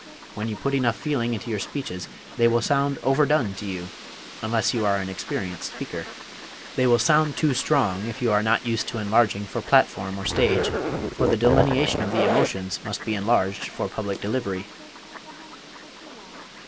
When you put enough feeling into your speeches they will sound overdone to you, unless you are an experienced speaker. They will sound too strong, if you are not used to enlarging for platform or stage, for the delineation of the emotions must be enlarged for public delivery.